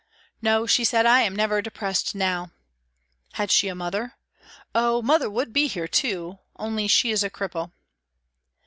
" No," she said, " I am never depressed now." Had she a mother ?" Oh ! mother would be here too, only she is a cripple."